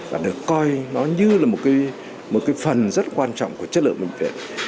và được coi nó như là một cái phần rất quan trọng của chất lượng bệnh viện